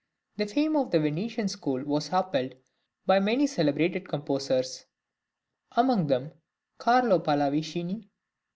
The fame of the Venetian school was upheld by many celebrated composers, among them Carlo Pallavicini (16...